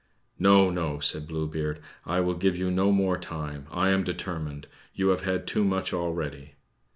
"No, no," said Blue Beard; "I will give you no more time, I am determined. You have had too much already."